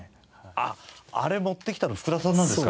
あっあれ持ってきたの福田さんなんですか？